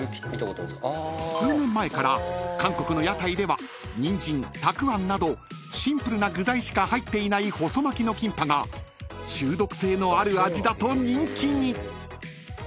［数年前から韓国の屋台ではにんじんたくあんなどシンプルな具材しか入っていない細巻きのキンパが中毒性のある味だと人気に］